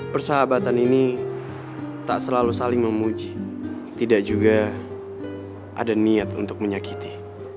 persahabatan ini tak selalu saling memuji tidak juga ada niat untuk menyakiti